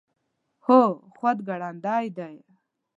هو، خو ګړندۍ ده